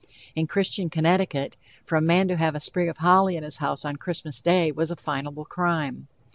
In Christian Connecticut, for a man to have a sprig of holly in his house on Christmas day was a finable crime.